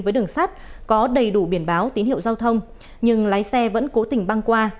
với đường sắt có đầy đủ biển báo tín hiệu giao thông nhưng lái xe vẫn cố tình băng qua